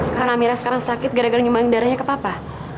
karena amira sekarang sakit gara gara nyumbang darahnya ke papa